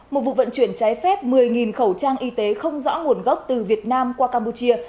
một vụ vận chuyển trái phép một mươi khẩu trang y tế không rõ nguồn gốc từ việt nam qua campuchia